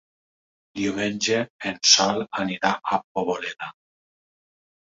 Diumenge en Sol anirà a Poboleda.